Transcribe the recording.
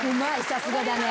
さすがだね。